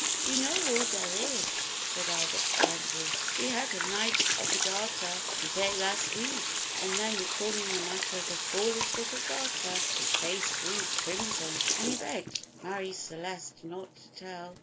"We know all dere is," said Albert grandly; "we had a Knight of the Garter day las' week;" and then recalling the matter of the foolish little garter, his face grew crimson, and he begged Marie Celeste not to tell.